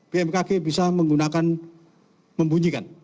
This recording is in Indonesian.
bmkg bisa membunyikan